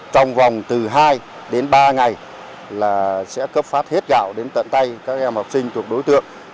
trong vòng từ hai đến ba ngày là sẽ cấp phát hết gạo đến tận tay các em học sinh thuộc đối tượng